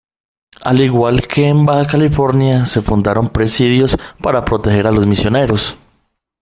Al igual que en Baja California, se fundaron presidios para proteger a los misioneros.